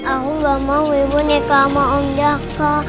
aku gak mau ibu nikah sama om jaka